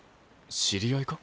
知り合いか？